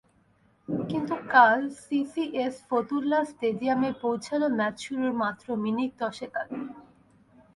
কিন্তু কাল সিসিএস ফতুল্লা স্টেডিয়ামে পৌঁছাল ম্যাচ শুরুর মাত্র মিনিট দশেক আগে।